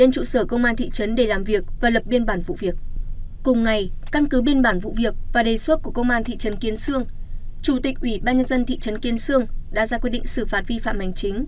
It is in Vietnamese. chủ tịch ủy ban nhân dân thị trấn kiên xương đã ra quy định xử phạt vi phạm hành chính